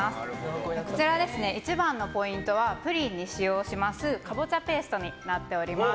こちらは一番のポイントはプリンに使用するカボチャペーストになっています。